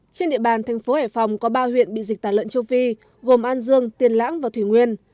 trên địa bàn thành phố hải phòng có ba huyện bị dịch tả lợn châu phi gồm an dương tiền lãng và thủy nguyên